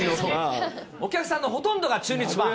お客さんのほとんどが中日ファン。